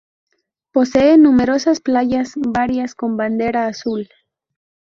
Posee numerosas playas, varias con bandera azul.